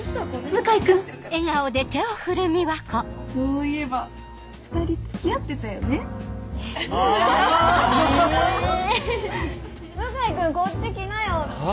向井君こっち来なよ。は？